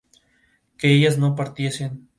que ellas no partiesen